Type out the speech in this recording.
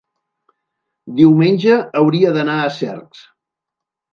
diumenge hauria d'anar a Cercs.